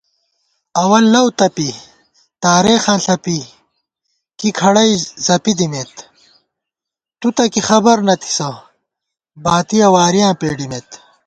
اوَل لَؤ تپی تارېخاں ݪَپی کی کھڑَئی زَپی دِمېت * تُوتہ کی خبر نہ تھِسہ باتِیَہ وارِیاں پېڈِمېت